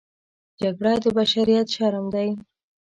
جګړه د بشریت شرم دی